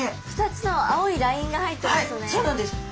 ２つの青いラインが入っていますね。